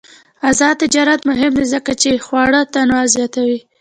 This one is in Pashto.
آزاد تجارت مهم دی ځکه چې خواړه تنوع زیاتوي.